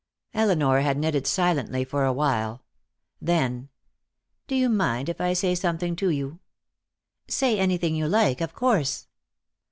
Elinor had knitted silently for a little. Then: "Do you mind if I say something to you?" "Say anything you like, of course."